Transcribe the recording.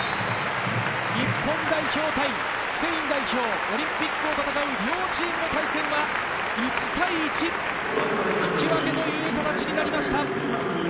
日本代表対スペイン代表、オリンピックを戦う両チームの対戦は１対１、引き分けという形になりました。